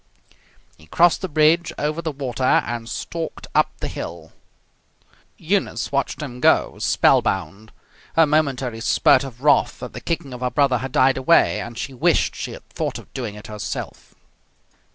He crossed the bridge over the water and stalked up the hill. Eunice watched him go, spellbound. Her momentary spurt of wrath at the kicking of her brother had died away, and she wished she had thought of doing it herself.